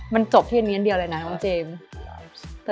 มันจบที่อันนี้อันเดียวเลยนะน้องเจมส์